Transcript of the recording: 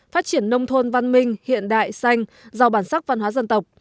phát triển nông thôn văn minh hiện đại xanh giàu bản sắc văn hóa dân tộc